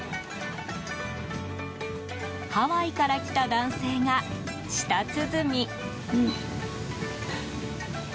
ハワイから来た男性が舌鼓。